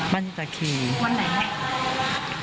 บ้านชิตาเคยอ่ะ